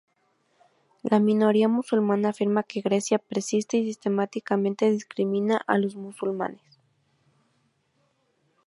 La minoría musulmana afirma que Grecia persiste y sistemáticamente discrimina a los musulmanes.